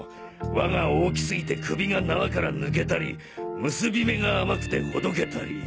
輪が大きすぎて首が縄から抜けたり結び目が甘くてほどけたり。